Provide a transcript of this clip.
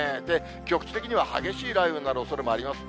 局地的には激しい雷雨になるおそれもあります。